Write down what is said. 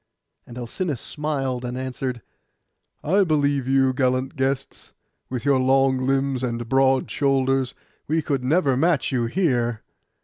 And Alcinous smiled, and answered, 'I believe you, gallant guests; with your long limbs and broad shoulders, we could never match you here.